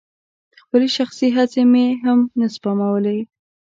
خپلې شخصي هڅې مې هم نه سپمولې.